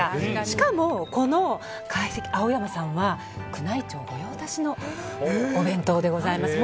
しかも、この懐石料理青山さんは宮内庁御用達のお弁当でございます。